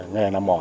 nghề làm mỏ